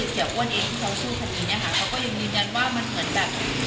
เขาก็ยังยืนยันว่ามันเหมือนกับ